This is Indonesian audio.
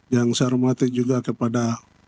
yang saya hormati juga kepada